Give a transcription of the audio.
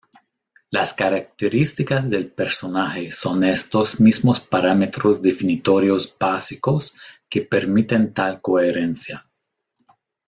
Las características del personaje son estos mismos parámetros definitorios básicos que permiten tal coherencia.